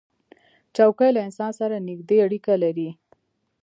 چوکۍ له انسان سره نزدې اړیکه لري.